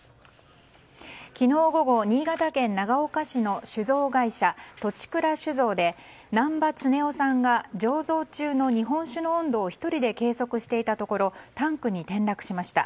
昨日午後新潟県長岡市の酒造会社栃倉酒造で難波恒雄さんが醸造中の日本酒の温度を１人で計測していたところタンクに転落しました。